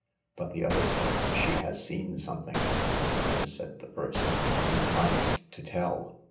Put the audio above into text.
But the other said, " She has seen something." Then said the first, " You promised to tell."